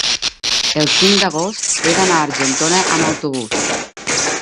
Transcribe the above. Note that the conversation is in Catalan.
el cinc d'agost he d'anar a Argentona amb autobús.